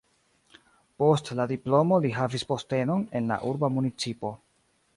Post la diplomo li havis postenon en la urba municipo.